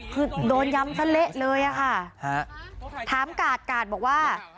คือโดนย้ำซะเละเลยอะค่ะถามกาดกาดบอกว่า